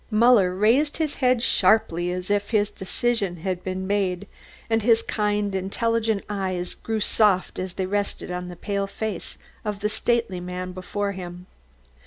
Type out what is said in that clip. Muller raised his head sharply as if his decision had been made, and his kind intelligent eyes grew soft as they rested on the pale face of the stately man before him.